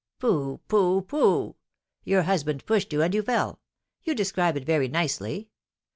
"Pooh, pooh, pooh! Your husband pushed you, and you fell; you describe it very nicely!